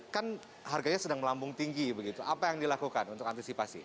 kan harganya sedang melambung tinggi begitu apa yang dilakukan untuk antisipasi